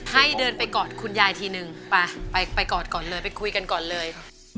ให้เดินไปกอดคุณยายทีนึงไปไปกอดก่อนเลยไปคุยกันก่อนเลย